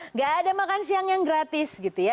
nggak ada makan siang yang gratis gitu ya